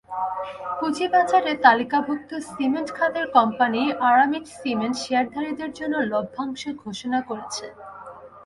পুঁজিবাজারে তালিকাভুক্ত সিমেন্ট খাতের কোম্পানি আরামিট সিমেন্ট শেয়ারধারীদের জন্য লভ্যাংশ ঘোষণা করেছে।